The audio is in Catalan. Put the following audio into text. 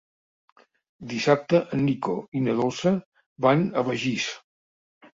Dissabte en Nico i na Dolça van a Begís.